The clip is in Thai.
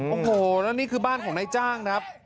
โอ้โหแล้วนี่คือบ้านของนายจ้างครับ